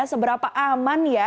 seberapa aman ya